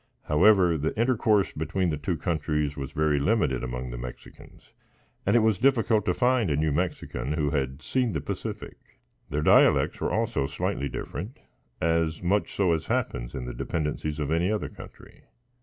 However, the intercourse between the two countries was very limited among the Mexicans, and it was difficult to find a New Mexican who had seen the Pacific. Their dialects were also slightly different, as much so as happens in the dependencies of any other country.